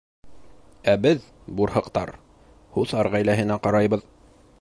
Ә беҙ, бурһыҡтар, һуҫар ғаиләһенә ҡарайбыҙ.